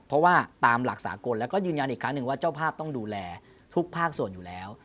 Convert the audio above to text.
เพราะว่าตามหลักสากลแล้วก็ยืนยันอีกครั้งหนึ่งว่าเจ้าภาพต้องดูแลทุกภาคส่วนอยู่แล้ว